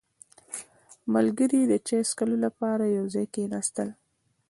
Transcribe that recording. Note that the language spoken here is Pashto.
• ملګري د چای څښلو لپاره یو ځای کښېناستل.